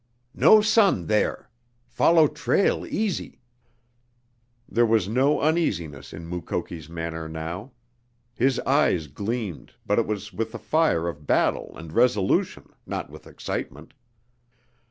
"No sun there! Follow trail easy!" There was no uneasiness in Mukoki's manner now. His eyes gleamed, but it was with the fire of battle and resolution, not with excitement.